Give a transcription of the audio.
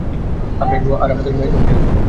আমরা আসব আর আমাদের মেয়েকেও নিয়ে আসব!